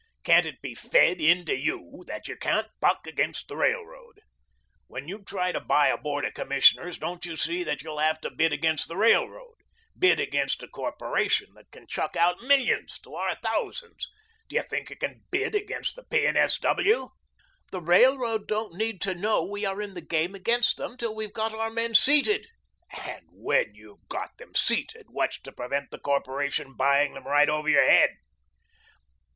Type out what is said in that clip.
Can't it be FED into you that you can't buck against the railroad? When you try to buy a Board of Commissioners don't you see that you'll have to bid against the railroad, bid against a corporation that can chuck out millions to our thousands? Do you think you can bid against the P. and S. W.?" "The railroad don't need to know we are in the game against them till we've got our men seated." "And when you've got them seated, what's to prevent the corporation buying them right over your head?"